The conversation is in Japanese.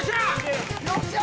よっしゃ！